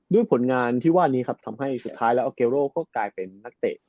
ผลงานที่ว่านี้ครับทำให้สุดท้ายแล้วออเกโร่ก็กลายเป็นนักเตะ